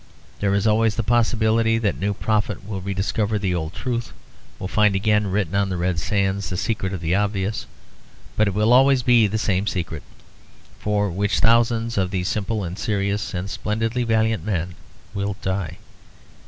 There is always the possibility that a new prophet will rediscover the old truth; will find again written on the red sands the secret of the obvious. But it will always be the same secret, for which thousands of these simple and serious and splendidly valiant men will die.